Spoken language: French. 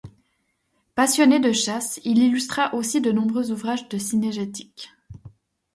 Passionné de chasse, il illustra aussi de nombreux ouvrages de cynégétique.